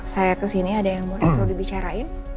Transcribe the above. saya ke sini ada yang mau dibicarain